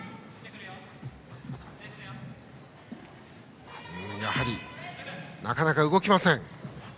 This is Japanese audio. しかしやはりなかなか動きません。